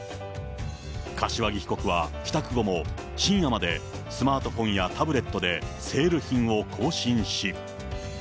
柏木被告は帰宅後も深夜までスマートフォンやタブレットでセール品を更新し。